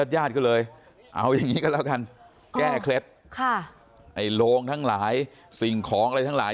ญาติก็เลยเอาอย่างนี้ก็แล้วกันแก้เคล็ดค่ะไอ้โรงทั้งหลายสิ่งของอะไรทั้งหลาย